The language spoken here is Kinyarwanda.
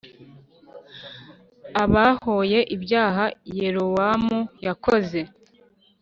abahoye ibyaha Yerobowamu yakoze